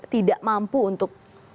tidak mampu untuk